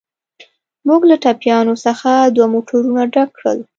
موږ له ټپیانو څخه دوه موټرونه ډک کړل.